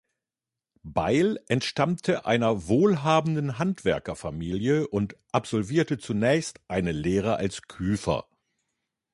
Beil entstammte einer wohlhabenden Handwerkerfamilie und absolvierte zunächst eine Lehre als Küfer.